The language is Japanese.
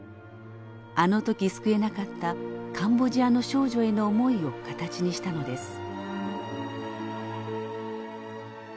あの時救えなかったカンボジアの少女への思いを形にしたのです。